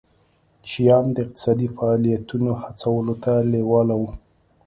شیام د اقتصادي فعالیتونو هڅولو ته لېواله وو.